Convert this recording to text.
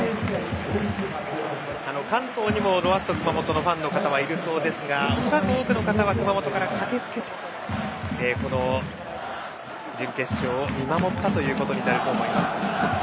関東にもロアッソ熊本のファンの方はいるそうですが恐らく多くの方は熊本から駆けつけてこの準決勝を見守ったということになると思います。